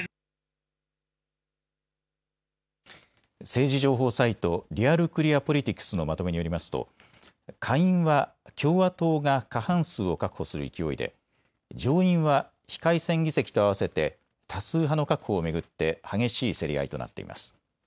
政治情報サイト、リアル・クリア・ポリティクスのまとめによりますと下院は共和党が過半数を確保する勢いで上院は非改選議席と合わせて多数派の確保を巡って激しい競り合いとなっています。